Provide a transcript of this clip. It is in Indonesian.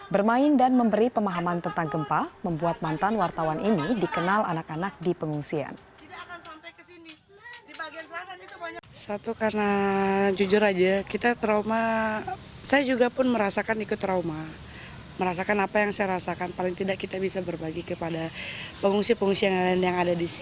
bermain dan memberi pemahaman tentang gempa membuat mantan wartawan ini dikenal anak anak di pengungsian